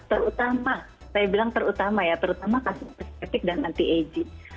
terutama saya bilang terutama ya terutama kasus perspetik dan anti agic